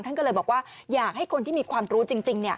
ท่านก็เลยบอกว่าอยากให้คนที่มีความรู้จริง